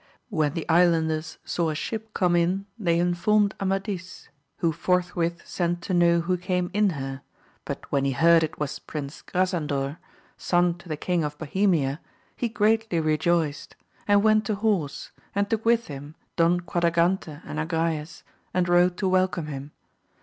When the Is landers saw a ship come in they informed Amadis, who forthwith sent to know who came in her, but when he heard it was Prince Orasandor, son to the King o^ Bohemia, he greatly rejoiced ; and went to horse, and took with him Don Quadragante and Agrayes, and rode to welcome him.